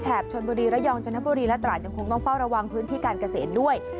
ชนบุรีระยองจนบุรีและตราดยังคงต้องเฝ้าระวังพื้นที่การเกษตรด้วย